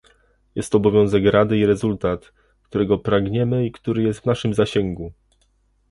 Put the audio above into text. Jest to obowiązek Rady i rezultat, którego pragniemy i który jest w naszym zasięgu